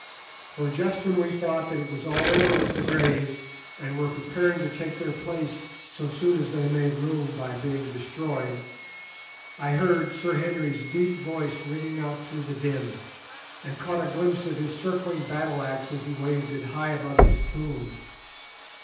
For just when we thought that it was all over with the Greys, and were preparing to take their place so soon as they made room by being destroyed, I heard Sir Henry's deep voice ringing out through the din, and caught a glimpse of his circling battle axe as he waved it high above his plumes.